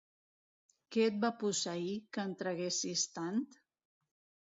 Què et va posseir, que en traguessis tant?